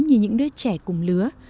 như những đứa trẻ cùng lứa